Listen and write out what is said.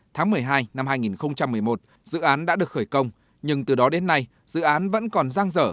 tháng một mươi hai năm hai nghìn một mươi một dự án đã được khởi công nhưng từ đó đến nay dự án vẫn còn giang dở